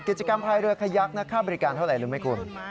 กิจกรรมพายเรือขยักค่าบริการเท่าไหร่รู้ไหมคุณ